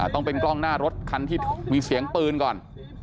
ต้องเป็นกล้องหน้ารถคันที่มีเสียงปืนก่อน